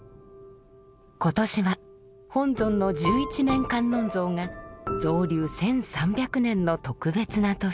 今年は本尊の十一面観音像が造立１，３００年の特別な年。